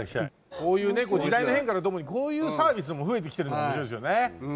こういうね時代の変化とともにこういうサービスも増えてきてるの面白いですよね。